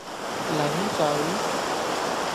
檸水